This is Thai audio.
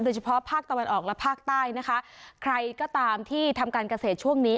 ภาคตะวันออกและภาคใต้นะคะใครก็ตามที่ทำการเกษตรช่วงนี้